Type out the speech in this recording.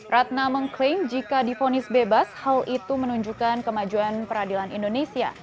ratna mengklaim jika difonis bebas hal itu menunjukkan kemajuan peradilan indonesia